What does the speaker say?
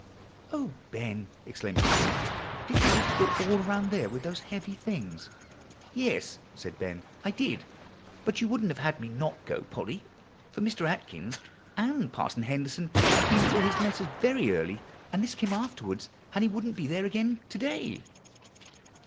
"O Ben!" exclaimed Polly, "did you have to go all around there with those heavy things?" "Yes," said Ben, "I did. But you wouldn't have had me not go, Polly; for Mr. Atkins said Parson Henderson had been for his letters very early, and this came afterwards, and he wouldn't be there again to day."